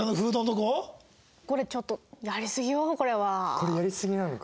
これやりすぎなのか。